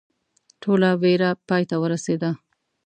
ټوله ویره پای ته ورسېده.